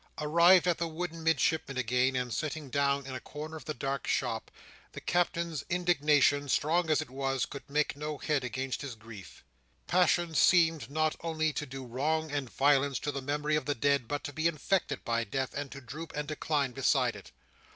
Arrived at the wooden Midshipman's again, and sitting down in a corner of the dark shop, the Captain's indignation, strong as it was, could make no head against his grief. Passion seemed not only to do wrong and violence to the memory of the dead, but to be infected by death, and to droop and decline beside it.